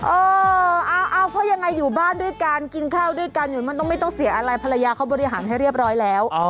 เออเอาเพราะยังไงอยู่บ้านด้วยกันกินข้าวด้วยกันอยู่มันต้องไม่ต้องเสียอะไรภรรยาเขาบริหารให้เรียบร้อยแล้ว